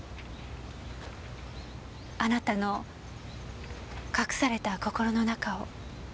あなたの隠された心の中を。